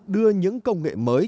đưa những công nghệ mới